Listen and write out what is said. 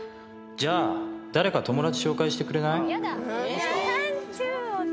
「じゃあ誰か友達紹介してくれない？」